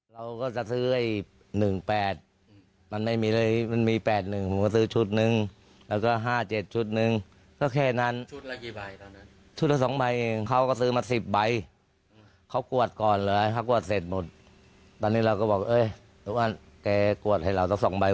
เขาบอกไม่ถูกก็มาให้ป่าหน้าหลาย